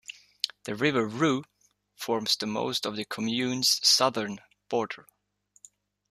The river Rhue forms most of the commune's southern border.